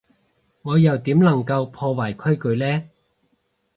我又點能夠破壞規矩呢？